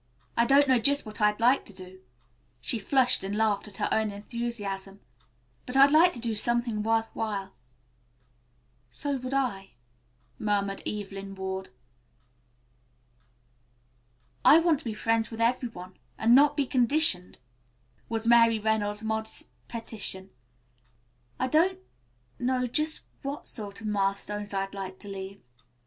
I don't know just what I'd like to do," she flushed and laughed at her own enthusiasm, "but I'd like to do something worth while." "So would I," murmured Evelyn Ward. "I want to be friends with every one, and not be conditioned," was Mary Reynolds' modest petition. "I don't know just what sort of milestones I'd like to leave.